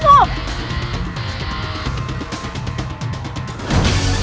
kalau kamu gak cinta sama aku